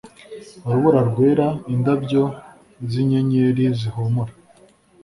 urubura rwera indabyo zinyenyeri zihumura